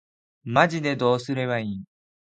マジでどうすればいいん